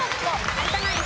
有田ナイン